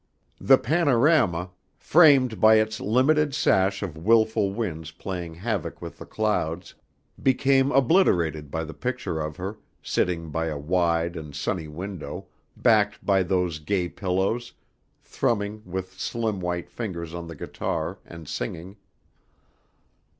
The panorama, framed by its limited sash of wilful winds playing havoc with the clouds, became obliterated by the picture of her, sitting by a wide and sunny window, backed by those gay pillows, thrumming with slim white fingers on the guitar and singing.